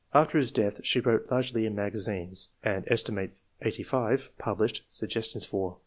After his death she wrote largely in magazines, and set eighty five published Suggestions for